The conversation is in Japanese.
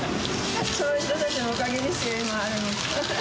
そういう人たちのおかげですよ、今あるの。